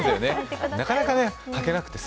なかなか履けなくてさ。